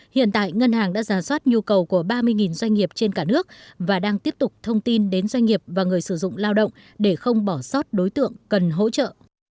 hiện tại ngân hàng đã giả soát nhu cầu của ba mươi doanh nghiệp trên cả nước và đang tiếp tục thông tin đến doanh nghiệp và người sử dụng lao động để không bỏ sót đối tượng cần hỗ trợ